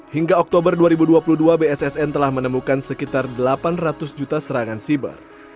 hingga oktober dua ribu dua puluh dua bssn telah menemukan sekitar delapan ratus juta serangan siber